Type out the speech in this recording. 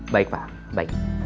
baik pak baik